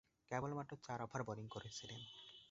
কেবলমাত্র চার over bowling করেছিলেন।